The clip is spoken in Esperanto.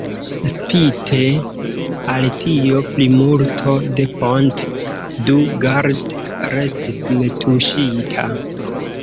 Spite al tio, plimulto de Pont du Gard restis netuŝita.